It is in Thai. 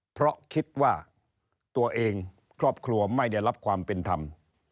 เพราะคิดว่าตัวเองครอบครัวไม่ได้รับความเป็นธรรม